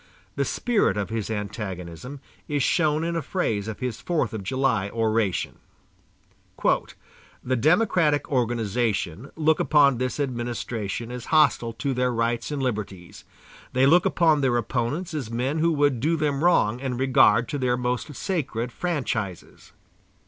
The spirit of his antagonism is shown in a phrase of his fourth of July oration: "The Democratic organization look upon this administration as hostile to their rights and liberties; they look upon their opponents as men who would do them wrong in regard to their most sacred franchises."